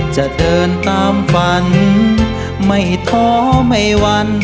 จะเดินตามฝันไม่ท้อไม่วัน